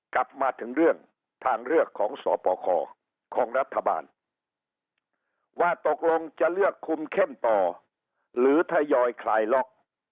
กลับมาถึงเรื่องทางเลือกของสปคของรัฐบาลว่าตกลงจะเลือกคุมเข้มต่อหรือทยอยคลายล็อก